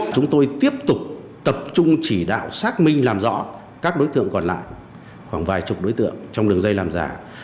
chúng tôi tiếp tục tập trung chỉ đạo xác minh làm rõ các đối tượng còn lại khoảng vài chục đối tượng trong đường dây làm giả